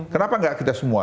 kenapa tidak kita semua